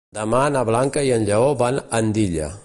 Demà na Blanca i en Lleó van a Andilla.